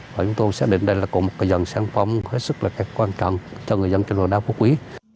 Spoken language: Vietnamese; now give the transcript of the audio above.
và chúng tôi xác định đây là một dần sản phẩm hết sức là quan trọng cho người dân trên đời đa phú quý